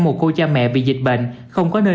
một cô cha mẹ bị dịch bệnh không có nơi